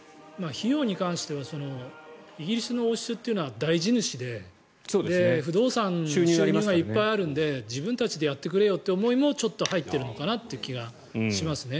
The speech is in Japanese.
費用に関してはイギリスの王室というのは大地主で不動産の収入がいっぱいあるので自分たちでやってくれよという思いもちょっと入っているのかなという気がしますね。